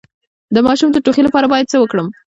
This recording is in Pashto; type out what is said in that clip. د ماشوم د ټوخي لپاره باید څه وکړم؟